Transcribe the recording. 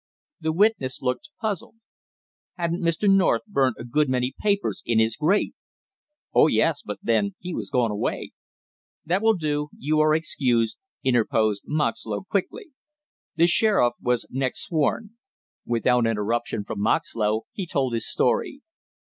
The witness looked puzzled. "Hadn't Mr. North burnt a good many papers in his grate?" "Oh, yes, but then he was going away." "That will do, you are excused," interposed Moxlow quickly. The sheriff was next sworn. Without interruption from Moxlow he told his story.